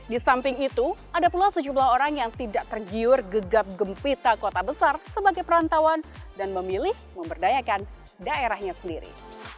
di samping itu ada pula sejumlah orang yang tidak tergiur gegap gempita kota besar sebagai perantauan dan memilih memberdayakan daerahnya sendiri